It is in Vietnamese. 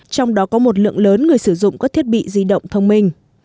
trong đó có một lượng lớn người sử dụng các thiết bị di động thông minh